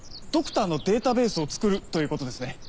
ドクターのデータベースを作るということですね。